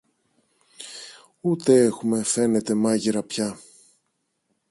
ούτε έχουμε, φαίνεται, μάγειρα πια.